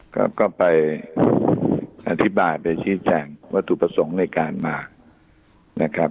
ก็ไปอธิบายไปชี้แจงวัตถุประสงค์ในการมานะครับ